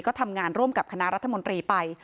ก็ทำงานร่วมกับคณะรัฐมนตรีไป